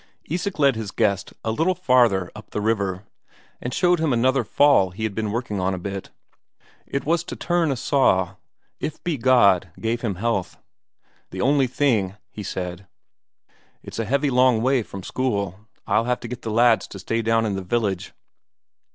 Isak led his guest a little farther up the river, and showed him another fall he had been working on a bit; it was to turn a saw, if so be God gave him health. "The only thing," he said, "it's a heavy long way from school: I'll have to get the lads to stay down in the village."